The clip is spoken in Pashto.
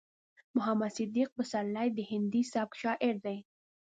محمد صديق پسرلی د هندي سبک شاعر دی.